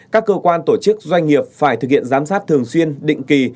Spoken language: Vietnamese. các cơ quan tổ chức doanh nghiệp phải thực hiện giám sát thường xuyên định kỳ